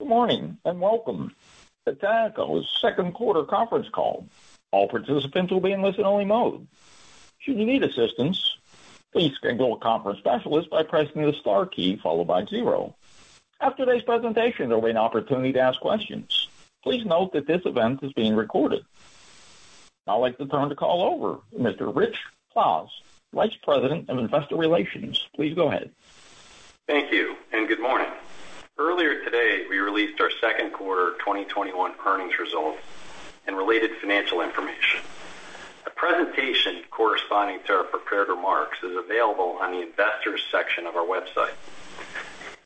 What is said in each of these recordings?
Good morning, welcome to Tenneco's second quarter conference call. All participants will be in only-listen mode. If you need assistance, please signal a conference specialist by pressing the star key followed by 0. After today's presentation, there'll be an opportunity to ask questions. Please note that this event is being recorded. I'd like to turn the call over to Mr. Rich Kwas, Vice President of Investor Relations. Please go ahead. Thank you, and good morning. Earlier today, we released our second quarter 2021 earnings results and related financial information. A presentation corresponding to our prepared remarks is available on the investors section of our website.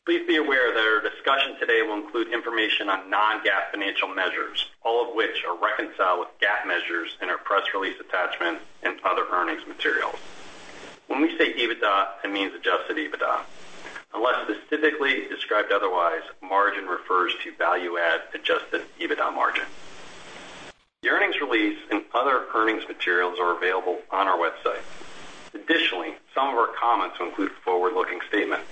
Please be aware that our discussion today will include information on non-GAAP financial measures, all of which are reconciled with GAAP measures in our press release attachment and other earnings materials. When we say EBITDA, it means adjusted EBITDA. Unless specifically described otherwise, margin refers to value-add adjusted EBITDA margin. The earnings release and other earnings materials are available on our website. Additionally, some of our comments will include forward-looking statements.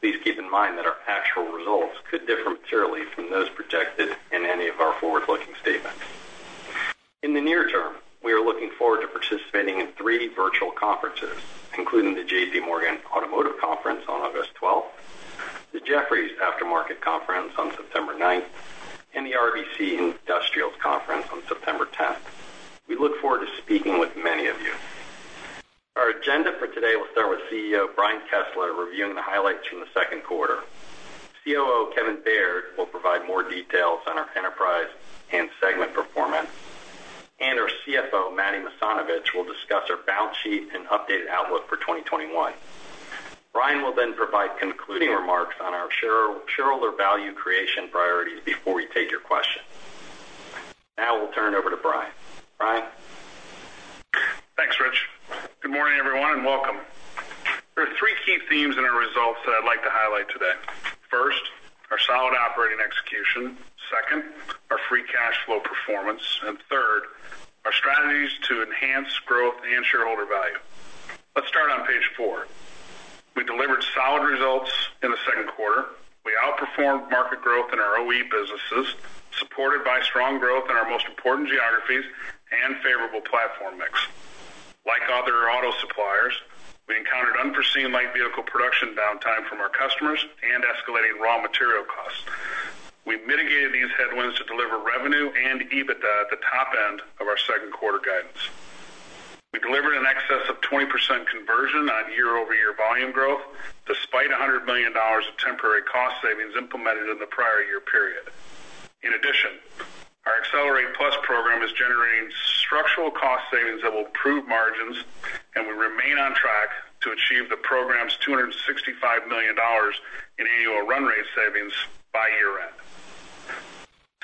Please keep in mind that our actual results could differ materially from those projected in any our Accelerate Plus program is generating structural cost savings that will improve margins, and we remain on track to achieve the program's $265 million in annual run rate savings by year-end.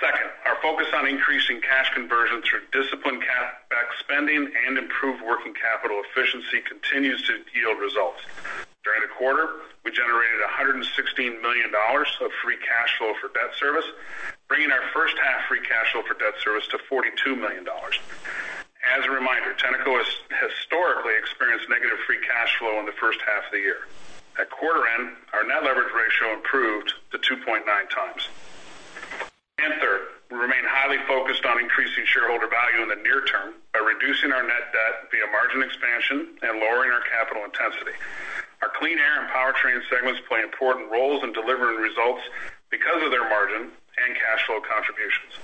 Second, our focus on increasing cash conversion through disciplined CapEx spending and improved working capital efficiency continues to yield results. During the quarter, we generated $116 million of free cash flow for debt service, bringing our first-half free cash flow for debt service to $42 million. As a reminder, Tenneco has historically experienced negative free cash flow in the first half of the year. At quarter end, our net leverage ratio improved to 2.9x. Third, we remain highly focused on increasing shareholder value in the near term by reducing our net debt via margin expansion and lowering our capital intensity. Our Clean Air and Powertrain segments play important roles in delivering results because of their margin and cash flow contributions.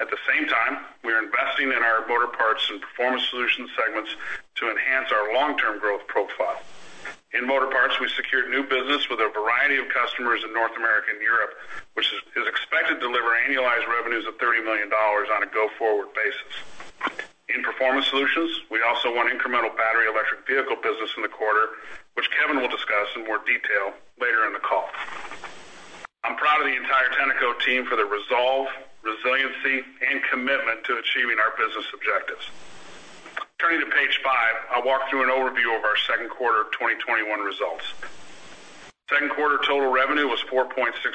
At the same time, we are investing in our Motorparts and Performance Solutions segments to enhance our long-term growth profile. In Motorparts, we secured new business with a variety of customers in North America and Europe, which is expected to deliver annualized revenues of $30 million on a go-forward basis. In Performance Solutions, we also won incremental battery electric vehicle business in the quarter, which Kevin will discuss in more detail later in the call. I'm proud of the entire Tenneco team for their resolve, resiliency, and commitment to achieving our business objectives. Turning to page five, I'll walk through an overview of our second quarter 2021 results. Second quarter total revenue was $4.6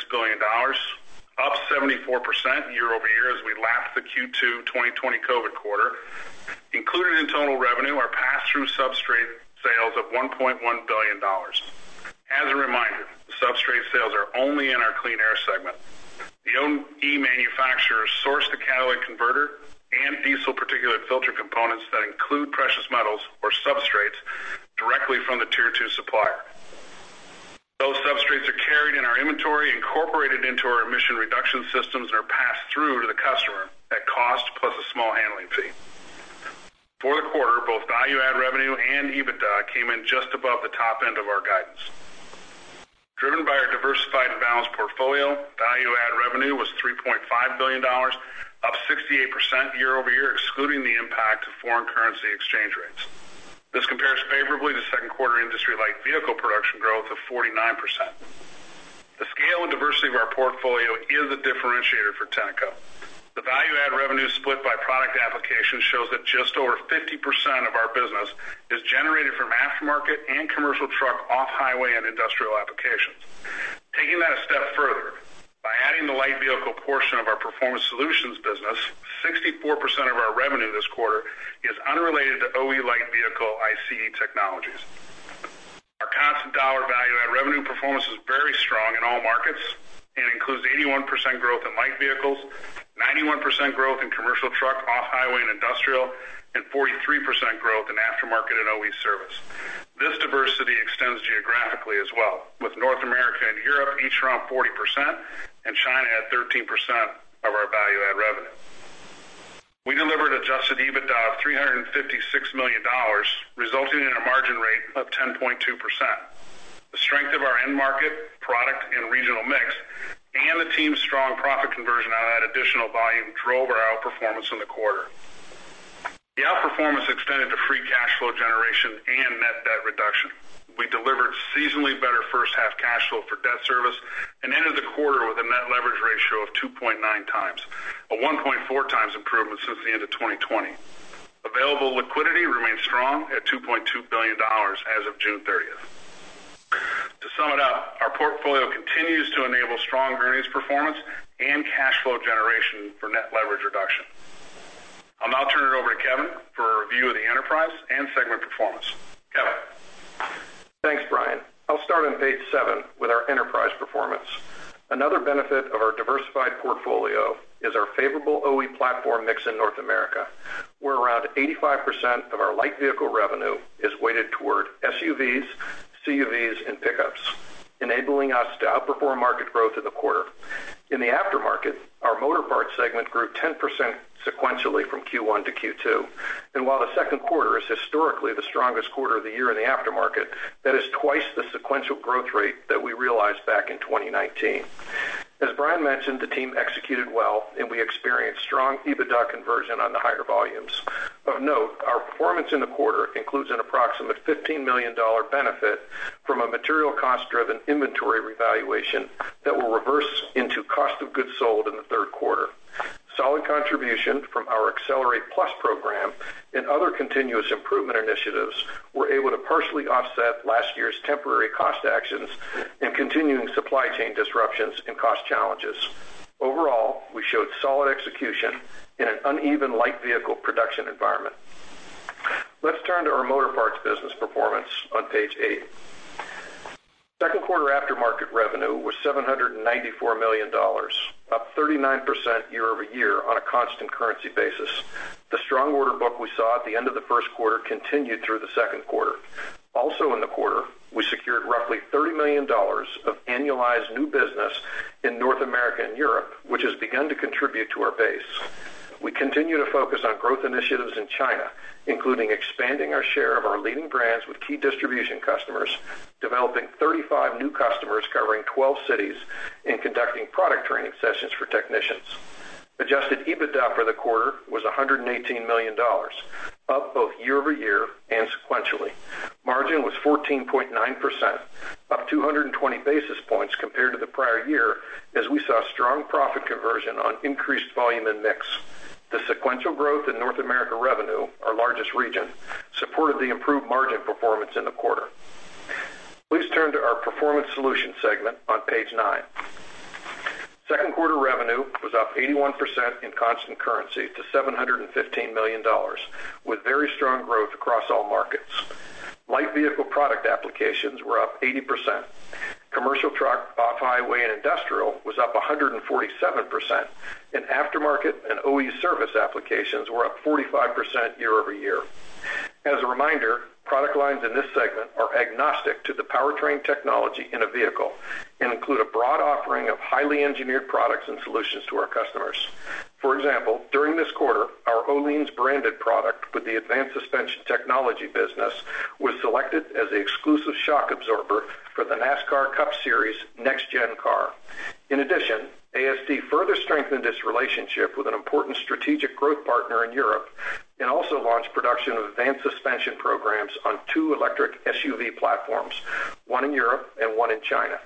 billion, up 74% year-over-year as we lapped the Q2 2020 COVID quarter. Included in total revenue are pass-through substrate sales of $1.1 billion. As a reminder, substrate sales are only in our Clean Air segment. The OE manufacturers source the catalytic converter and diesel particulate filter components that include precious metals or substrates directly from the tier 2 supplier. Those substrates are carried in our inventory, incorporated into our emission reduction systems, and are passed through to the customer at cost plus a small handling fee. For the quarter, both value-add revenue and EBITDA came in just above the top end of our guidance. Driven by our diversified and balanced portfolio, value-add revenue was $3.5 billion, up 68% year-over-year, excluding the impact of foreign currency exchange rates. This compares favorably to second quarter industry light vehicle production growth of 49%. The scale and diversity of our portfolio is a differentiator for Tenneco. The value-add revenue split by product application shows that just over 50% of our business is generated from aftermarket and commercial truck off-highway and industrial applications. Taking that a step further. In the light vehicle portion of our Performance Solutions business, 64% of our revenue this quarter is unrelated to OE light vehicle ICE technologies. Our constant dollar value-add revenue performance is very strong in all markets and includes 81% growth in light vehicles, 91% growth in commercial truck, off-highway, and industrial, and 43% growth in aftermarket and OE service. This diversity extends geographically as well, with North America and Europe each around 40% and China at 13% of our value-add revenue. We delivered adjusted EBITDA of $356 million, resulting in a margin rate of 10.2%. The strength of our end market, product, and regional mix and the team's strong profit conversion on that additional volume drove our outperformance in the quarter. The outperformance extended to free cash flow generation and net debt reduction. We delivered seasonally better first half cash flow for debt service and ended the quarter with a net leverage ratio of 2.9x, a 1.4x improvement since the end of 2020. Available liquidity remains strong at $2.2 billion as of June 30th. To sum it up, our portfolio continues to enable strong earnings performance and cash flow generation for net leverage reduction. I'll now turn it over to Kevin for a review of the enterprise and segment performance. Kevin? Thanks, Brian. I'll start on page seven with our enterprise performance. Another benefit of our diversified portfolio is our favorable OE platform mix in North America, where around 85% of our light vehicle revenue is weighted toward SUVs, CUVs, and pickups, enabling us to outperform market growth in the quarter. In the aftermarket, our Motorparts segment grew 10% sequentially from Q1 to Q2. While the second quarter is historically the strongest quarter of the year in the aftermarket, that is twice the sequential growth rate that we realized back in 2019. As Brian mentioned, the team executed well, and we experienced strong EBITDA conversion on the higher volumes. Of note, our performance in the quarter includes an approximate $15 million benefit from a material cost-driven inventory revaluation that will reverse into cost of goods sold in the third quarter. Solid contribution from our Accelerate Plus program and other continuous improvement initiatives were able to partially offset last year's temporary cost actions and continuing supply chain disruptions and cost challenges. Overall, we showed solid execution in an uneven light vehicle production environment. Let's turn to our Motorparts business performance on page eight. Second quarter aftermarket revenue was $794 million, up 39% year-over-year on a constant currency basis. The strong order book we saw at the end of the first quarter continued through the second quarter. Also in the quarter, we secured roughly $30 million of annualized new business in North America and Europe, which has begun to contribute to our base. We continue to focus on growth initiatives in China, including expanding our share of our leading brands with key distribution customers, developing 35 new customers covering 12 cities, and conducting product training sessions for technicians. Adjusted EBITDA for the quarter was $118 million, up both year-over-year and sequentially. Margin was 14.9%, up 220 basis points compared to the prior year, as we saw strong profit conversion on increased volume and mix. The sequential growth in North America revenue, our largest region, supported the improved margin performance in the quarter. Please turn to our Performance Solutions segment on page 9. Second quarter revenue was up 81% in constant currency to $715 million, with very strong growth across all markets. Light vehicle product applications were up 80%. Commercial truck, off-highway, and industrial was up 147%, and aftermarket and OE service applications were up 45% year-over-year. As a reminder, product lines in this segment are agnostic to the powertrain technology in a vehicle and include a broad offering of highly engineered products and solutions to our customers. For example, during this quarter, our Öhlins-branded product with the Advanced Suspension Technologies business was selected as the exclusive shock absorber for the NASCAR Cup Series Next Gen car. AST further strengthened its relationship with an important strategic growth partner in Europe and also launched production of advanced suspension programs on two electric SUV platforms, one in Europe and one in China.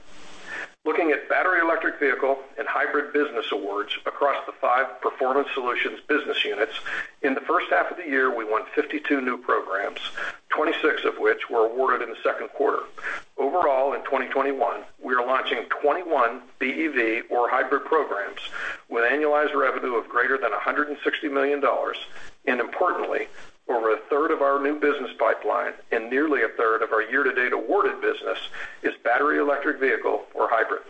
Looking at battery, electric vehicle, and hybrid business awards across the five Performance Solutions business units, in the first half of the year, we won 52 new programs, 26 of which were awarded in the second quarter. In 2021, we are launching 21 BEV or hybrid programs with annualized revenue of greater than $160 million and importantly, over 1/3 of our new business pipeline and nearly 1/3 of our year-to-date awarded business is battery, electric vehicle, or hybrid.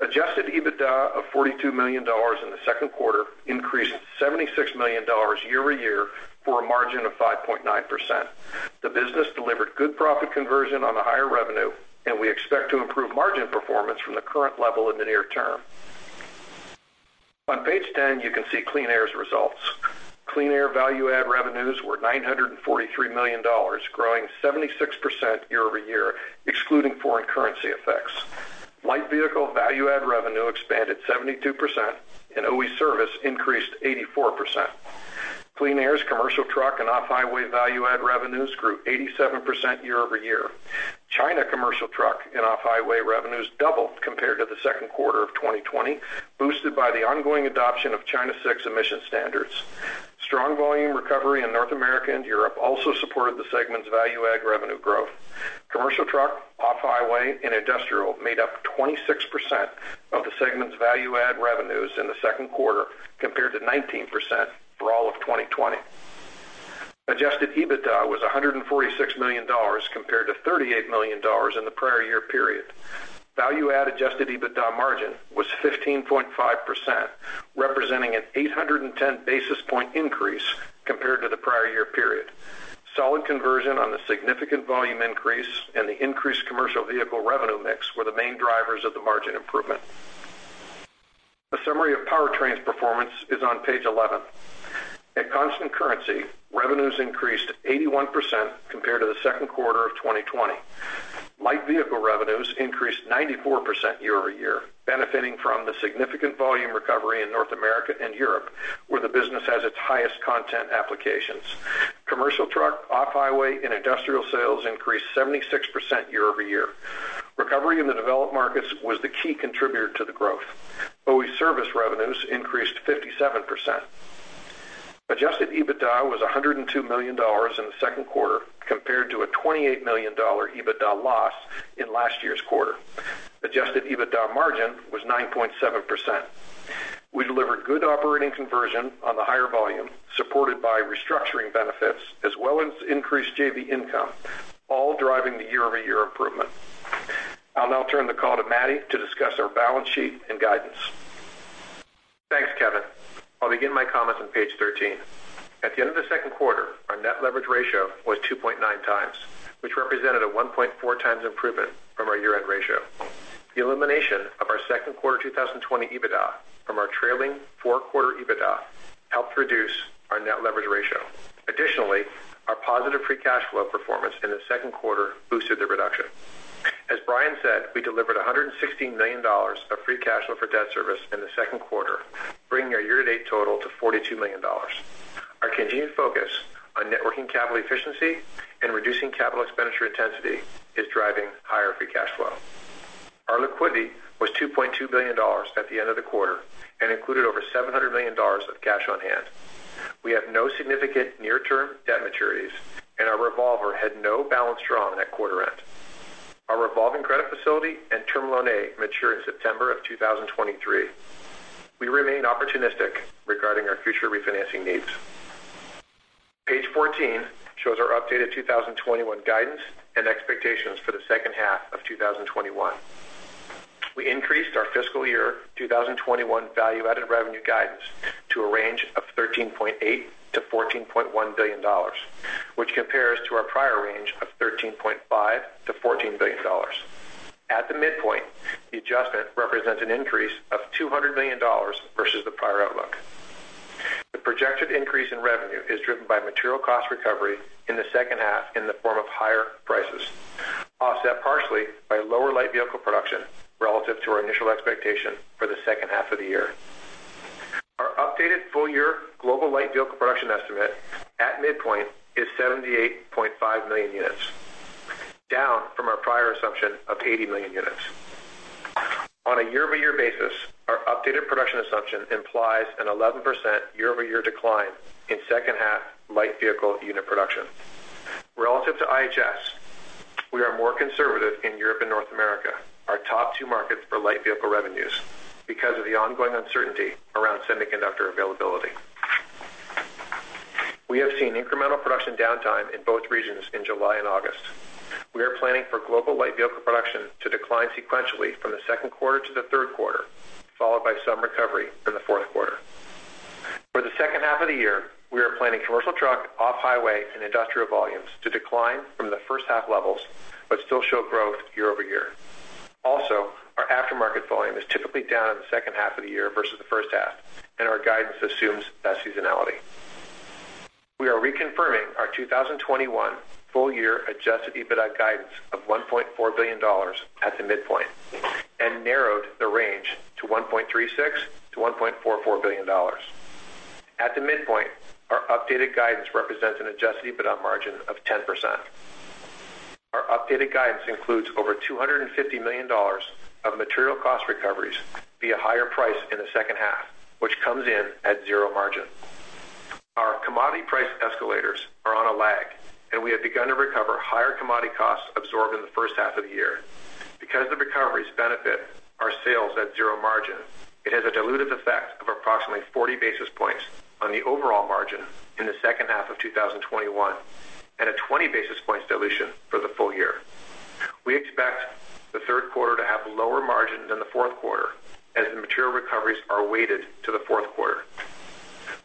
Adjusted EBITDA of $42 million in the second quarter increased to $76 million year-over-year for a margin of 5.9%. The business delivered good profit conversion on the higher revenue. We expect to improve margin performance from the current level in the near term. On page 10, you can see Clean Air's results. Clean Air value add revenues were $943 million, growing 76% year-over-year, excluding foreign currency effects. Light vehicle value add revenue expanded 72%. OE service increased 84%. Clean Air's Commercial Truck and Off-Highway value add revenues grew 87% year-over-year. China Commercial Truck and Off-Highway revenues doubled compared to the second quarter of 2020, boosted by the ongoing adoption of China 6 emission standards. Strong volume recovery in North America and Europe also supported the segment's value add revenue growth. Commercial truck, off-highway, and industrial made up 26% of the segment's value add revenues in the second quarter, compared to 19% for all of 2020. Adjusted EBITDA was $146 million compared to $38 million in the prior year period. Value add adjusted EBITDA margin was 15.5%, representing an 810 basis point increase compared to the prior year period. Solid conversion on the significant volume increase and the increased commercial vehicle revenue mix were the main drivers of the margin improvement. A summary of Powertrain's performance is on page 11. At constant currency, revenues increased 81% compared to the second quarter of 2020. Light vehicle revenues increased 94% year-over-year, benefiting from the significant volume recovery in North America and Europe, where the business has its highest content applications. Commercial truck, off-highway, and industrial sales increased 76% year-over-year. Recovery in the developed markets was the key contributor to the growth. OE service revenues increased 57%. Adjusted EBITDA was $102 million in the second quarter compared to a $28 million EBITDA loss in last year's quarter. Adjusted EBITDA margin was 9.7%. We delivered good operating conversion on the higher volume, supported by restructuring benefits as well as increased JV income, all driving the year-over-year improvement. I'll now turn the call to Matti to discuss our balance sheet and guidance. Thanks, Kevin. I'll begin my comments on page 13. At the end of the second quarter, our net leverage ratio was 2.9x, which represented a 1.4x improvement from our year-end ratio. The elimination of our second quarter 2020 EBITDA from our trailing four-quarter EBITDA helped reduce our net leverage ratio. Additionally, our positive free cash flow performance in the second quarter boosted the reduction. As Brian said, we delivered $116 million of free cash flow for debt service in the second quarter, bringing our year-to-date total to $42 million. Our continued focus on networking capital efficiency and reducing capital expenditure intensity is driving higher free cash flow. Our liquidity was $2.2 billion at the end of the quarter and included over $700 million of cash on hand. We have no significant near-term debt maturities, and our revolver had no balance drawn at quarter end. Our revolving credit facility and Term Loan A mature in September of 2023. We remain opportunistic regarding our future refinancing needs. Page 14 shows our updated 2021 guidance and expectations for the second half of 2021. We increased our fiscal year 2021 value-added revenue guidance to a range of $13.8 billion-$14.1 billion, which compares to our prior range of $13.5 billion-$14 billion. At the midpoint, the adjustment represents an increase of $200 million versus the prior outlook. The projected increase in revenue is driven by material cost recovery in the second half in the form of higher prices, offset partially by lower light vehicle production relative to our initial expectation for the second half of the year. Our updated full-year global light vehicle production estimate at midpoint is 78.5 million units, down from our prior assumption of 80 million units. On a year-over-year basis, our updated production assumption implies an 11% year-over-year decline in second half light vehicle unit production. Relative to IHS, we are more conservative in Europe and North America, our top two markets for light vehicle revenues, because of the ongoing uncertainty around semiconductor availability. We have seen incremental production downtime in both regions in July and August. We are planning for global light vehicle production to decline sequentially from the second quarter to the third quarter, followed by some recovery in the fourth quarter. For the second half of the year, we are planning commercial truck, off-highway, and industrial volumes to decline from the first half levels but still show growth year-over-year. Our aftermarket volume is typically down in the second half of the year versus the first half, and our guidance assumes that seasonality. We are reconfirming our 2021 full-year adjusted EBITDA guidance of $1.4 billion at the midpoint and narrowed the range to $1.36 billion-$1.44 billion. At the midpoint, our updated guidance represents an adjusted EBITDA margin of 10%. Our updated guidance includes over $250 million of material cost recoveries via higher price in the second half, which comes in at zero margin. Our commodity price escalators are on a lag, and we have begun to recover higher commodity costs absorbed in the first half of the year. Because the recoveries benefit our sales at zero margin, it has a dilutive effect of approximately 40 basis points on the overall margin in the second half of 2021 and a 20 basis points dilution for the full year. We expect the third quarter to have lower margin than the fourth quarter as the material recoveries are weighted to the fourth quarter.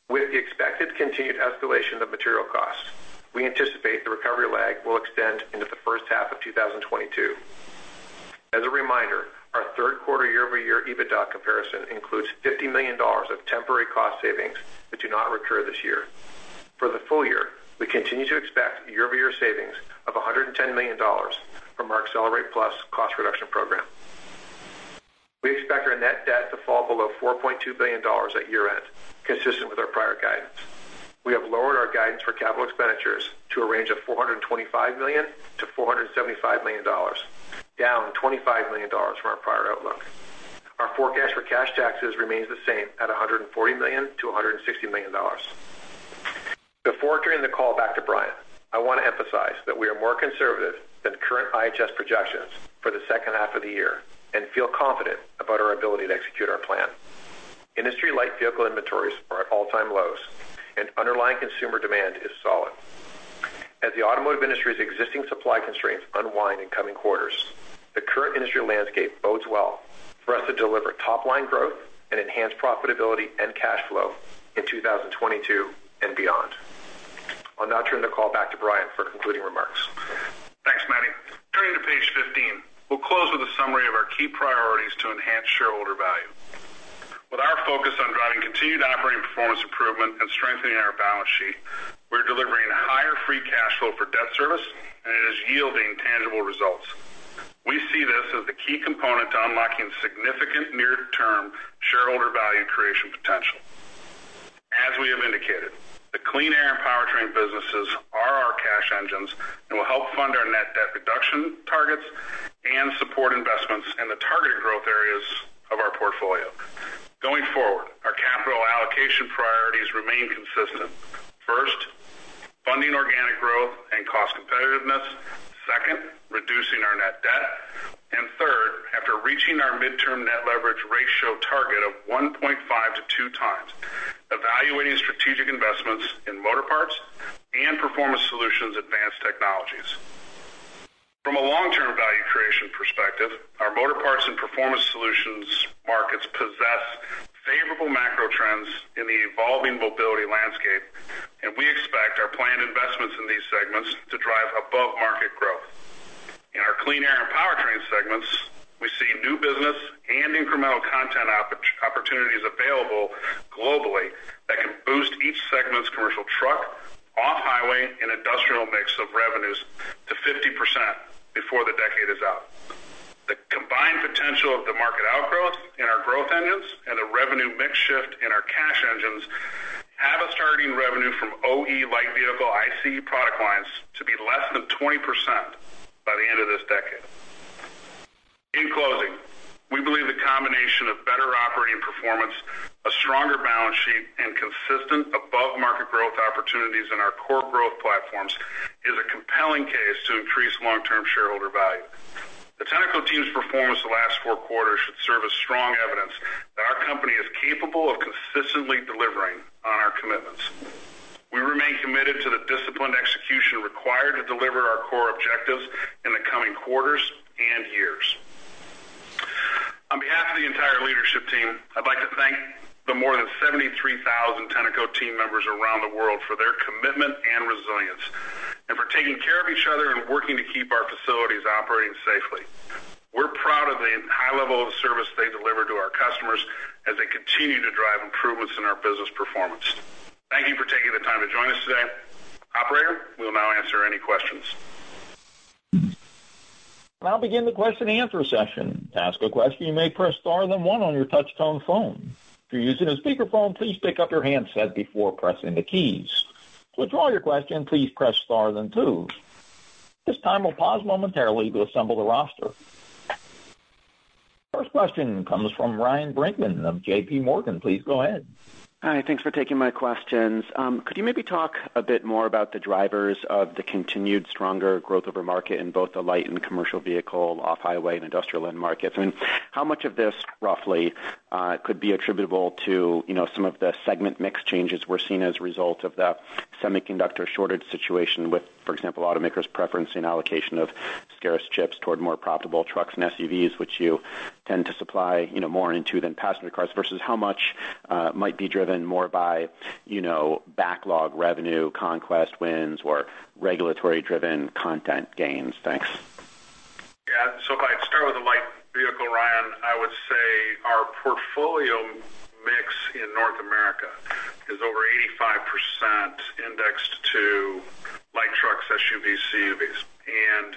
With the expected continued escalation of material costs, we anticipate the recovery lag will extend into the first half of 2022. As a reminder, our third quarter year-over-year EBITDA comparison includes $50 million of temporary cost savings that do not recur this year. For the full year, we continue to expect year-over-year savings of $110 million from our Accelerate Plus cost reduction program. We expect our net debt to fall below $4.2 billion at year end, consistent with our prior guidance. We have lowered our guidance for capital expenditures to a range of $425 million-$475 million, down $25 million from our prior outlook. Our forecast for cash taxes remains the same at $140 million-$160 million. Before turning the call back to Brian, I want to emphasize that we are more conservative than current IHS projections for the second half of the year and feel confident about our ability to execute our plan. Industry light vehicle inventories are at all-time lows, and underlying consumer demand is solid. As the automotive industry's existing supply constraints unwind in coming quarters, the current industry landscape bodes well for us to deliver top-line growth and enhance profitability and cash flow in 2022 and beyond. I'll now turn the call back to Brian for concluding remarks. Thanks, Matti. Turning to page 15, we'll close with a summary of our key priorities to enhance shareholder value. With our focus on driving continued operating performance improvement and strengthening our balance sheet, we're delivering higher free cash flow for debt service, and it is yielding tangible results. We see this as the key component to unlocking significant near-term shareholder value creation potential. As we have indicated, the Clean Air and Powertrain businesses are our cash engines and will help fund our net debt reduction targets and support investments in the targeted growth areas of our portfolio. Going forward, our capital allocation priorities remain consistent. First, funding organic growth and cost competitiveness. Second, reducing our net debt. Third, after reaching our midterm net leverage ratio target of 1.5x-2x, evaluating strategic investments in Motorparts and Performance Solutions Advanced Technologies. From a long-term value creation perspective, our Motorparts and Performance Solutions markets possess favorable macro trends in the evolving mobility landscape, and we expect our planned investments in these segments to drive above-market growth. In our Clean Air and Powertrain segments, we see new business and incremental content opportunities available globally that can boost each segment's Commercial Truck, Off-Highway, and industrial mix of revenues to 50% before the decade is out. The combined potential of the market outgrowths in our growth engines and the revenue mix shift in our cash engines have us targeting revenue from OE light vehicle ICE product lines to be less than 20% by the end of this decade. In closing, we believe the combination of better operating performance, a stronger balance sheet, and consistent above-market growth opportunities in our core growth platforms is a compelling case to increase long-term shareholder value. The Tenneco team's performance the last four quarters should serve as strong evidence that our company is capable of consistently delivering on our commitments. We remain committed to the disciplined execution required to deliver our core objectives in the coming quarters and years. On behalf of the entire leadership team, I'd like to thank the more than 73,000 Tenneco team members around the world for their commitment and resilience and for taking care of each other and working to keep our facilities operating safely. We're proud of the high level of service they deliver to our customers as they continue to drive improvements in our business performance. Thank you for taking the time to join us today. Operator, we'll now answer any questions. I'll begin the question and answer session. To ask a question, you may press star, then one on your touchtone phone. If you're using a speakerphone, please pick up your handset before pressing the keys. To withdraw your question, please press star then two. At this time, we'll pause momentarily to assemble the roster. First question comes from Ryan Brinkman of JPMorgan. Please go ahead. Hi. Thanks for taking my questions. Could you maybe talk a bit more about the drivers of the continued stronger growth over market in both the light and commercial vehicle, off-highway, and industrial end markets? How much of this, roughly, could be attributable to some of the segment mix changes we're seeing as a result of the semiconductor shortage situation with, for example, automakers preferencing allocation of scarce chips toward more profitable trucks and SUVs, which you tend to supply more into than passenger cars, versus how much might be driven more by backlog revenue, conquest wins, or regulatory-driven content gains? Thanks. If I start with the light vehicle, Ryan, I would say our portfolio mix in North America is over 85% indexed to light trucks, SUVs, CUVs.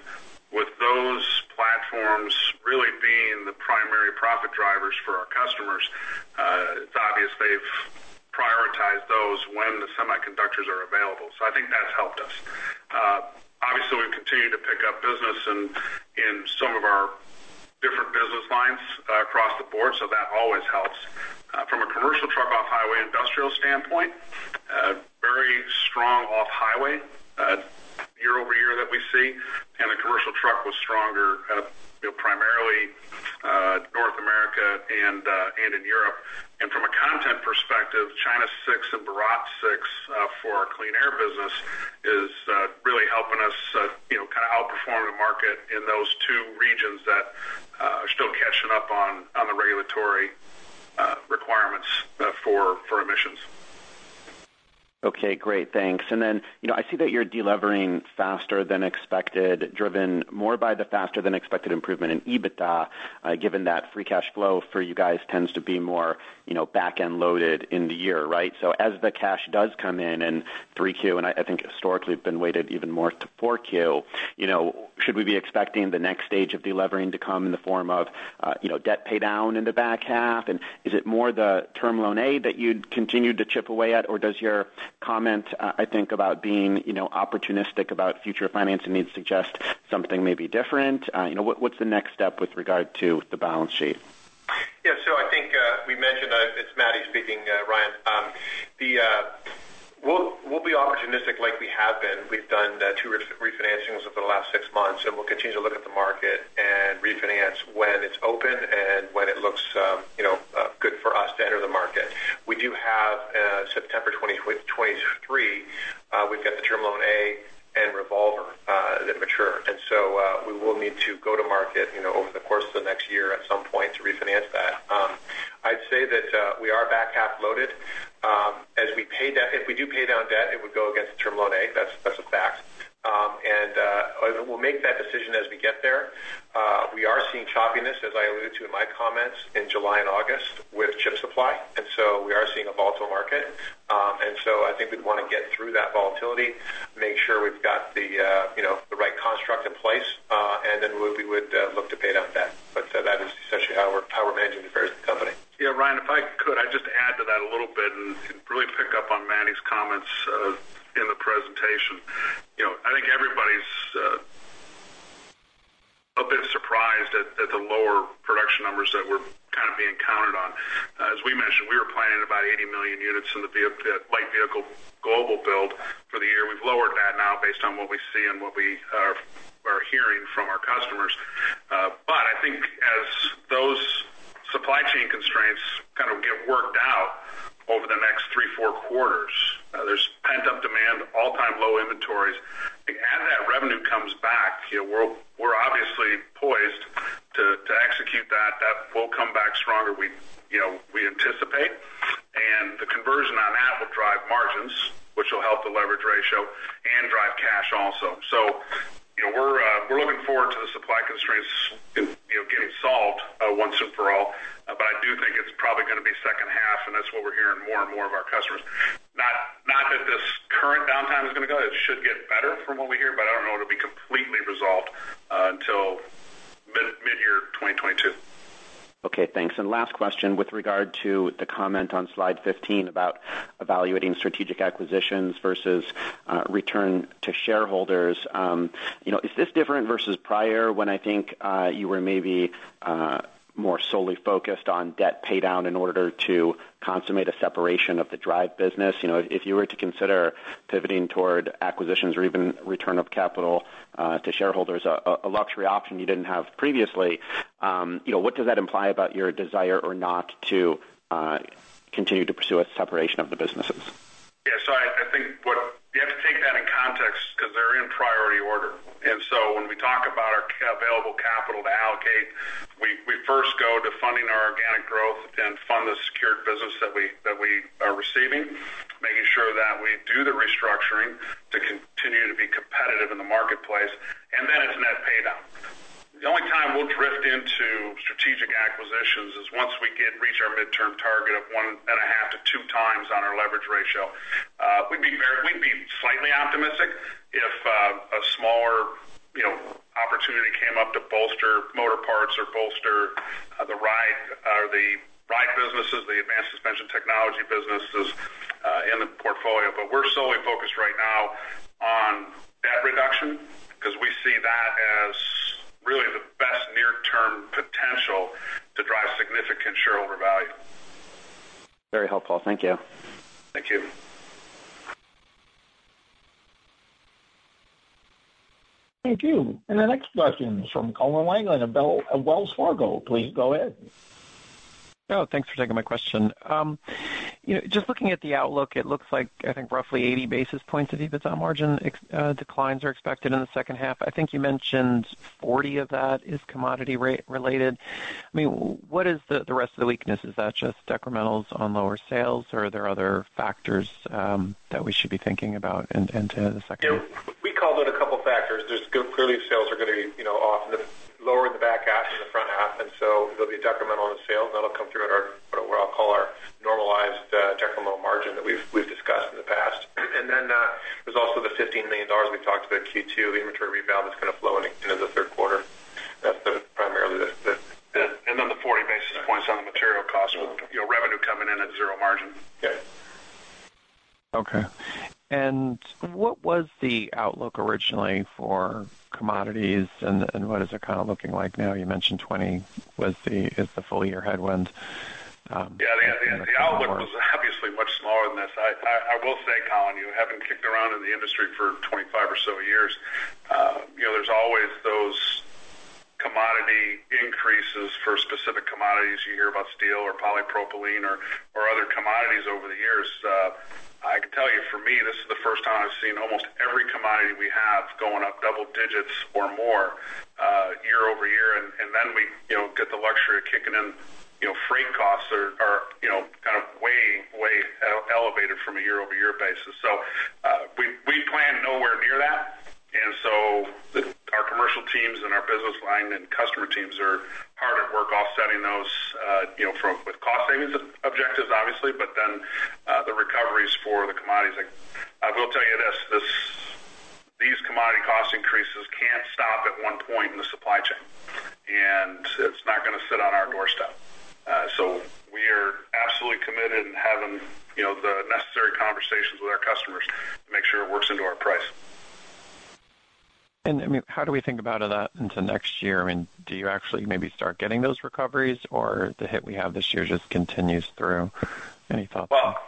With those platforms really being the primary profit drivers for our customers, it's obvious they've prioritized those when the semiconductors are available. I think that's helped us. Obviously, we continue to pick up business in some of our different business lines across the board, so that always helps. From a commercial truck off-highway industrial standpoint, very strong off-highway year-over-year that we see, and the commercial truck was stronger, primarily North America and in Europe. From a content perspective, China 6 and Bharat 6 for our Clean Air business is really helping us outperform the market in those two regions that are still catching up on the regulatory requirements for emissions. Okay, great. Thanks. I see that you're de-levering faster than expected, driven more by the faster than expected improvement in EBITDA, given that free cash flow for you guys tends to be more back-end loaded in the year, right? As the cash does come in in 3Q, and I think historically been weighted even more to 4Q, should we be expecting the next stage of de-levering to come in the form of debt paydown in the back half? Is it more the Term Loan A that you'd continue to chip away at? Does your comment, I think about being opportunistic about future financing needs suggest something may be different? What's the next step with regard to the balance sheet? Yeah, I think we mentioned, it's Matti speaking, Ryan. We'll be opportunistic like we have been. We've done two refinancings over the last six months. We'll continue to look at the market and refinance when it's open and when it looks good for us to enter the market. We do have September 2023. We've got the Term Loan A and revolver that mature. We will need to go to market over the course of the next year at some point to refinance that. I'd say that we are back half loaded. If we do pay down debt, it would go against the Term Loan A, that's a fact. We'll make that decision as we get there. We are seeing choppiness, as I alluded to in my comments, in July and August with chip supply. We are seeing a volatile market. I think we'd want to get through that volatility, make Okay, thanks. Last question with regard to the comment on slide 15 about evaluating strategic acquisitions versus return to shareholders. Is this different versus prior when I think you were maybe more solely focused on debt paydown in order to consummate a separation of the drive business? If you were to consider pivoting toward acquisitions or even return of capital to shareholders, a luxury option you didn't have previously, what does that imply about your desire or not to continue to pursue a separation of the businesses? Yeah. I think you have to take that in context because they're in priority order. When we talk about our available capital to allocate, we first go to funding our organic growth, then fund the secured business that we are receiving, making sure that we do the restructuring to continue to be competitive in the marketplace, and then it's net paydown. The only time we'll drift into strategic acquisitions is once we reach our midterm target of 1.5x-2x on our leverage ratio. We'd be slightly optimistic if a smaller opportunity came up to bolster Motorparts or bolster the ride businesses, the Advanced Suspension Technologies businesses in the portfolio. We're solely focused right now on debt reduction, because we see that as really the best near-term potential to drive significant shareholder value. Very helpful. Thank you. Thank you. Thank you. The next question is from Colin Langan of Wells Fargo. Please go ahead. Oh, thanks for taking my question. Just looking at the outlook, it looks like I think roughly 80 basis points of EBITDA margin declines are expected in the second half. I think you mentioned 40 of that is commodity related. What is the rest of the weakness? Is that just decrementals on lower sales, or are there other factors that we should be thinking about into the second half? Yeah, we called it a couple factors. Clearly, sales are going to be off lower in the back half than the front half, they'll be decremental on the sales. That'll come through in what I'll call our normalized technical margin that we've discussed in the past. There's also the $15 million we talked about Q2, the inventory rebound that's going to flow into the third quarter. The 40 basis points on the material cost with revenue coming in at zero margin. Yeah. Okay. What was the outlook originally for commodities, and what is it kind of looking like now? You mentioned $20 is the full year headwind. Yeah. The outlook was obviously much smaller than this. I will say, Colin, having kicked around in the industry for 25 or so years, there's always those commodity increases for specific commodities. You hear about steel or polypropylene or other commodities over the years. I can tell you, for me, this is the first time I've seen almost every commodity we have going up double-digits or more year-over-year. We get the luxury of kicking in freight costs are kind of way elevated from a year-over-year basis. We plan nowhere near that. Our commercial teams and our business line and customer teams are hard at work offsetting those with cost savings objectives, obviously, but then the recoveries for the commodities. I will tell you this, these commodity cost increases can't stop at one point in the supply chain, and it's not going to sit on our doorstep. We are absolutely committed and having the necessary conversations with our customers to make sure it works into our price. How do we think about that into next year? Do you actually maybe start getting those recoveries or the hit we have this year just continues through? Any thoughts? Well,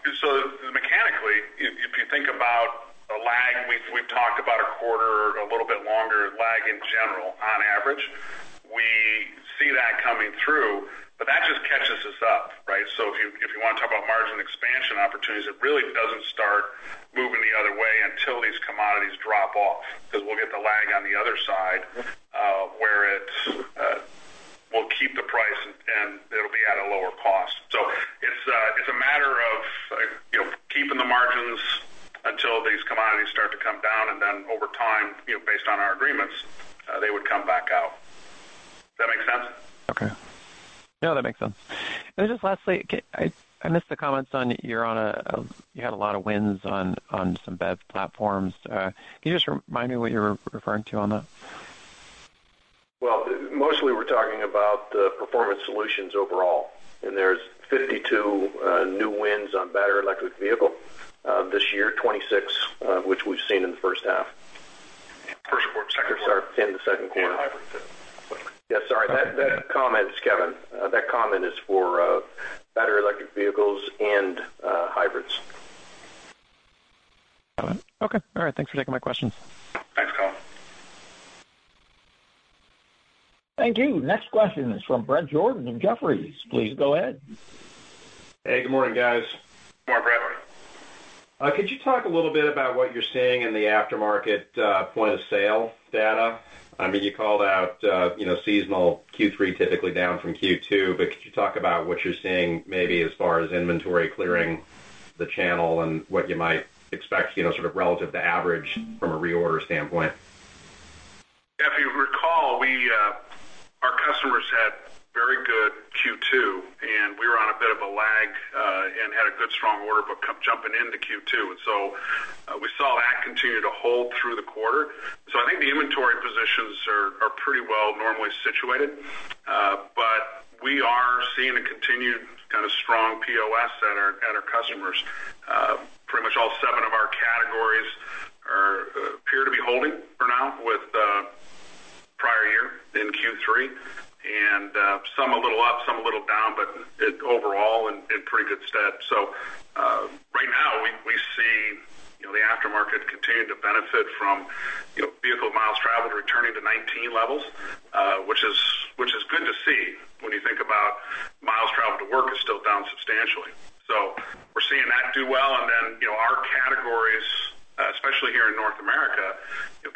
mechanically, if you think about a lag, we've talked about a quarter, a little bit longer lag in general on average. We see that coming through, but that just catches us up. If you want to talk about margin expansion opportunities, it really doesn't start moving the other way until these commodities drop off, because we'll get the lag on the other side, where it will keep the price and it'll be at a lower cost. It's a matter of keeping the margins until these commodities start to come down, and then over time, based on our agreements, they would come back out. Does that make sense? Okay. Yeah, that makes sense. Just lastly, I missed the comments on, you had a lot of wins on some BEV platforms. Can you just remind me what you were referring to on that? Well, mostly we're talking about the Performance Solutions overall, there's 52 new wins on battery electric vehicle this year, 26 which we've seen in the first half. First quarter, second quarter. Sorry, in the second quarter. Hybrid, too. Yeah, sorry. That comment, Kevin, that comment is for battery electric vehicles and hybrids. Got it. Okay. All right. Thanks for taking my questions. Thanks, Colin. Thank you. Next question is from Bret Jordan of Jefferies. Please go ahead. Hey, good morning, guys. Good morning, Bret. Could you talk a little bit about what you're seeing in the aftermarket point of sale data? You called out seasonal Q3 typically down from Q2, but could you talk about what you're seeing maybe as far as inventory clearing the channel and what you might expect, sort of relative to average from a reorder standpoint? If you recall, our customers had a very good Q2, and we were on a bit of a lag and had a good strong order but come jumping into Q2. We saw that continue to hold through the quarter. I think the inventory positions are pretty well normally situated. We are seeing a continued kind of strong POS at our customers. Pretty much all seven of our categories appear to be holding for now with prior year in Q3, and some a little up, some a little down, but overall in pretty good stead. Right now we see the aftermarket continuing to benefit from vehicle miles traveled returning to 2019 levels, which is good to see when you think about miles traveled to work is still down substantially. We're seeing that do well, and then our categories, especially here in North America,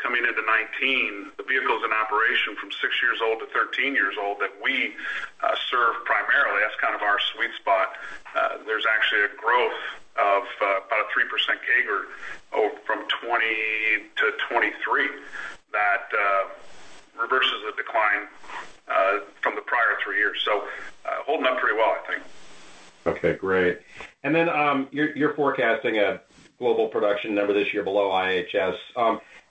coming into 2019, the vehicles in operation from six years old to 13 years old that we serve primarily, that's kind of our sweet spot. There's actually a growth of about a 3% CAGR from 2020-2023 that reverses the decline from the prior three years. Holding up pretty well, I think. Okay, great. You're forecasting a global production number this year below IHS.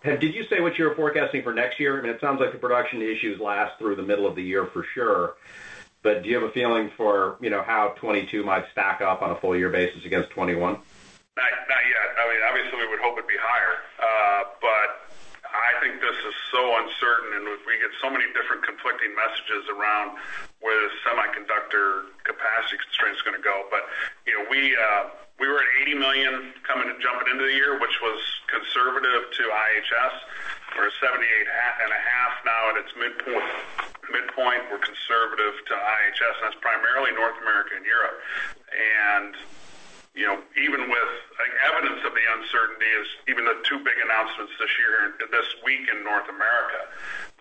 Did you say what you were forecasting for next year? I mean, it sounds like the production issues last through the middle of the year for sure. Do you have a feeling for how 2022 might stack up on a full year basis against 2021? Not yet. I mean, obviously, we would hope it'd be higher. I think this is so uncertain, and we get so many different conflicting messages around where the semiconductor capacity constraint is going to go. We were at $80 million jumping into the year, which was conservative to IHS. We're at $78.5 million now at its midpoint. We're conservative to IHS, that's primarily North America and Europe. Even with evidence of the uncertainty is even the two big announcements this year here, this week in North America,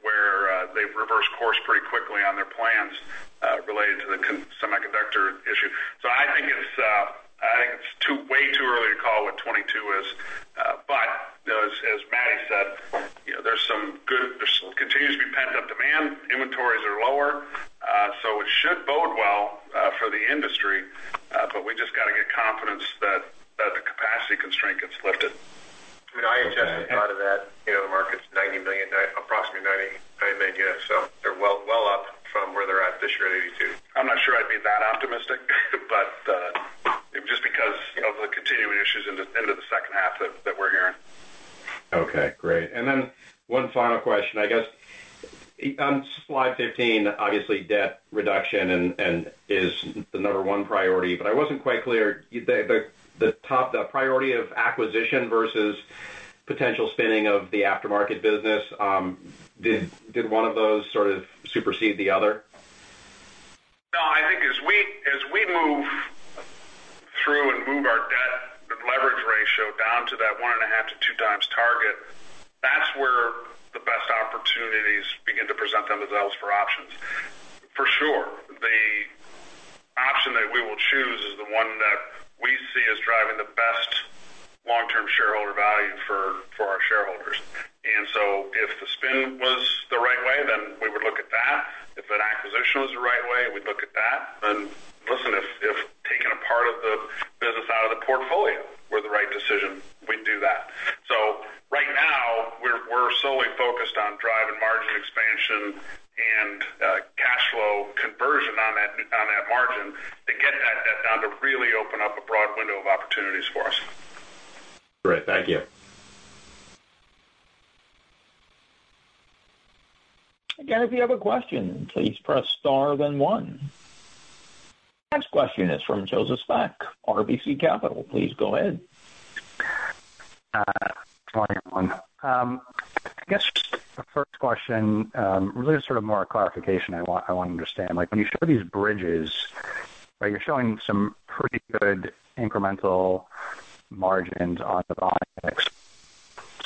where they've reversed course pretty quickly on their plans related to the semiconductor issue. I think it's way too early to call what 2022 is. As Matti said, there continues to be pent-up demand. Inventories are lower. It should bode well for the industry, but we just got to get confidence that the capacity constraint gets lifted. Okay. I mean, IHS had thought of that, the market's 90 million, approximately 90 million units. They're well up from where they're at this year at 82 million units. I'm not sure I'd be that optimistic, just because of the continuing issues into the second half that we're hearing. Okay, great. One final question, I guess. On slide 15, obviously debt reduction is the number one priority, but I wasn't quite clear, the priority of acquisition versus potential spinning of the aftermarket business, did one of those sort of supersede the other? I think as we move through and move our debt and leverage ratio down to that 1.5x-2x target, that's where the best opportunities begin to present themselves for options. For sure, the option that we will choose is the one that we see as driving the best long-term shareholder value for our shareholders. If the spin was the right way, we would look at that. If an acquisition was the right way, we'd look at that. Listen, if taking a part of the business out of the portfolio were the right decision, we'd do that. Right now, we're solely focused on driving margin expansion and cash flow conversion on that margin to get that debt down to really open up a broad window of opportunities for us. Great. Thank you. Again, if you have a question, please press star then one. Next question is from Joseph Spak, RBC Capital. Please go ahead. Good morning, everyone. I guess just the first question, really just sort of more a clarification I want to understand. When you show these bridges, you're showing some pretty good incremental margins on the volume mix.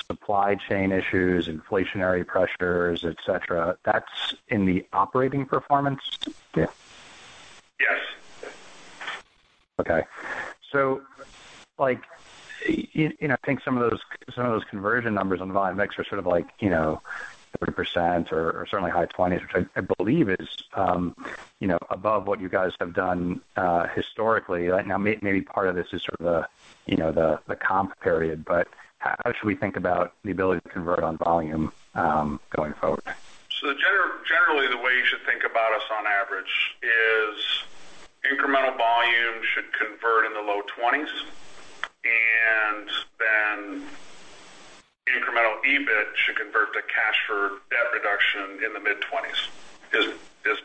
Supply chain issues, inflationary pressures, et cetera, that's in the operating performance? Yes. Okay. I think some of those conversion numbers on the volume mix are sort of like 30% or certainly high 20s, which I believe is above what you guys have done historically. Right now maybe part of this is sort of the comp period. How should we think about the ability to convert on volume going forward? Generally the way you should think about us on average is incremental volume should convert in the low 20s, and then incremental EBIT should convert to cash for debt reduction in the mid-20s is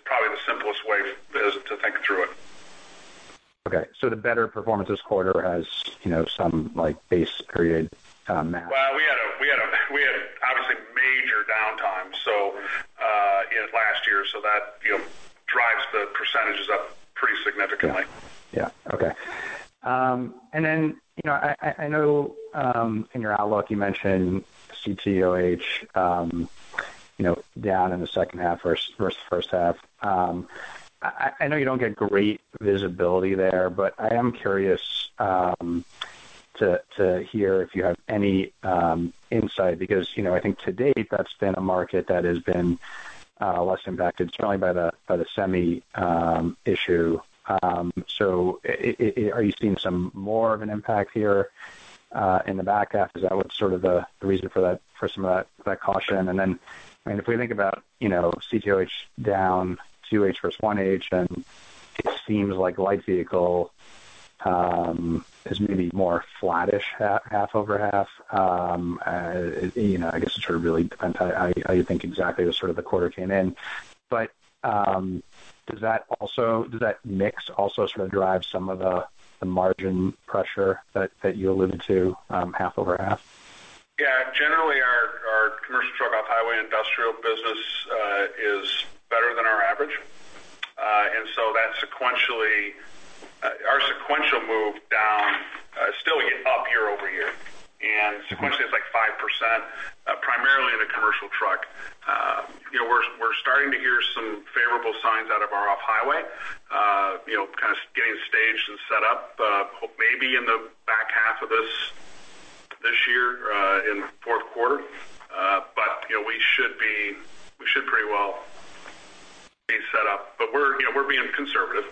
probably the simplest way to think through it. Okay. The better performance this quarter has some base period math. Well, we had obviously major downtime last year, so that drives the percentages up pretty significantly. Yeah. Okay. I know in your outlook you mentioned CT/OH down in the second half versus first half. I know you don't get great visibility there, but I am curious to hear if you have any insight because I think to date that's been a market that has been less impacted certainly by the semi issue. Are you seeing some more of an impact here in the back half? Is that what's sort of the reason for some of that caution? If we think about CT/OH down 2H versus 1H, and it seems like light vehicle is maybe more flattish half over half. I guess it sort of really depends how you think exactly the sort of the quarter came in. Does that mix also sort of drive some of the margin pressure that you alluded to half over half? Generally our commercial truck off-highway industrial business is better than our average. Our sequential move down still up year-over-year and sequentially is like 5% primarily in the commercial truck. We're starting to hear some favorable signs out of our off-highway kind of getting staged and set up maybe in the back half of this year in fourth quarter. We should pretty well be set up. We're being conservative.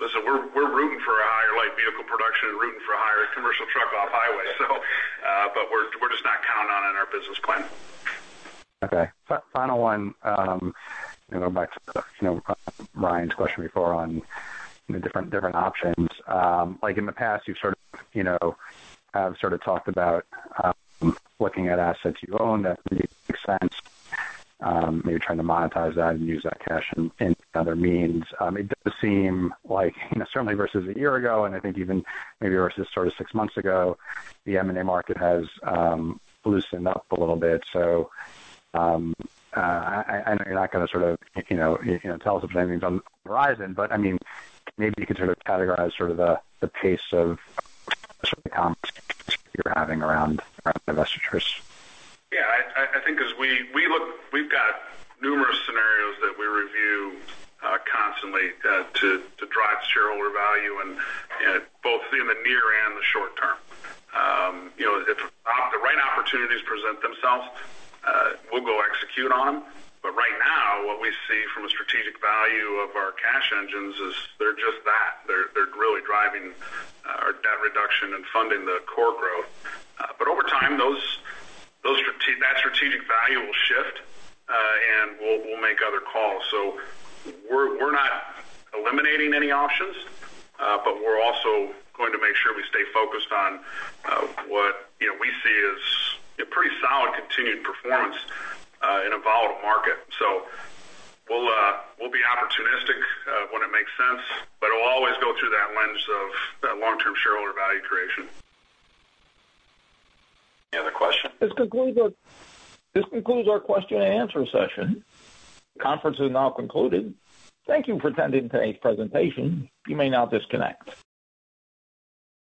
Listen, we're rooting for a higher light vehicle production and rooting for a higher commercial truck off-highway. We're just not counting on it in our business plan. Okay. Final one. Going back to Ryan's question before on the different options. Like in the past, you have sort of talked about looking at assets you own that maybe make sense, maybe trying to monetize that and use that cash in other means. It does seem like certainly versus a year ago and I think even maybe versus sort of six months ago, the M&A market has loosened up a little bit. I know you're not going to sort of tell us if anything's on the horizon, but maybe you could sort of categorize sort of the pace of sort of the conversations you're having around investors. I think we've got numerous scenarios that we review constantly to drive shareholder value and both in the near and the short term. If the right opportunities present themselves we'll go execute on them. Right now what we see from a strategic value of our cash engines is they're just that. They're really driving our debt reduction and funding the core growth. Over time that strategic value will shift, and we'll make other calls. We're not eliminating any options, but we're also going to make sure we stay focused on what we see as a pretty solid continued performance in a volatile market. We'll be opportunistic when it makes sense, but it'll always go through that lens of that long-term shareholder value creation. Any other question? This concludes our question and answer session. Conference is now concluded. Thank you for attending today's presentation. You may now disconnect.